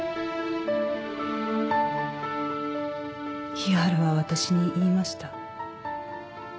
日原は私に言いました。